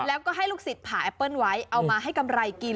แล้วก็ให้ลูกศิษย์ผ่าแอปเปิ้ลไว้เอามาให้กำไรกิน